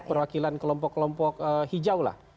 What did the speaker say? perwakilan kelompok kelompok hijau lah